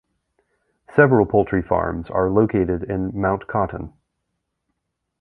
Several poultry farms are located in Mount Cotton.